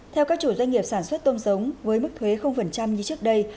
theo các chủ doanh nghiệp sản xuất tôm giống với mức thuế như trước đây